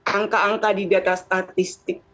angka angka di data statistik